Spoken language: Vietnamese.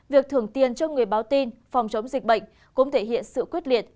việc thưởng tiền cho người báo tin phòng chống dịch bệnh cũng thể hiện sự quyết liệt